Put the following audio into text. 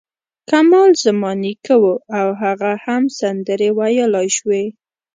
کمال زما نیکه و او هغه هم سندرې ویلای شوې.